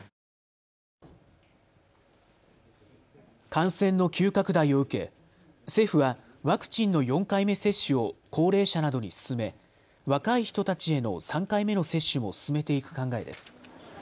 感染の急拡大を受け、政府はワクチンの４回目接種を高齢者などに進め若い人たちへの３回目の接種も進めていく考えです。